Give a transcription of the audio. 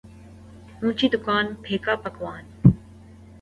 اونچی دکان پھیکا پکوان